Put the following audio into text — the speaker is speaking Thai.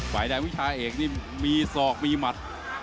ฝ่ายแดงวิชาเอกนี่มีศอกมีหมัด